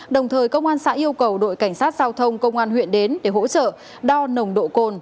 đồng thời công an xã yêu cầu đội cảnh sát giao thông công an huyện đến để hỗ trợ đo nồng độ cồn